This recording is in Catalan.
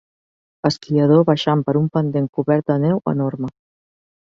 Esquiador baixant per un pendent cobert de neu enorme.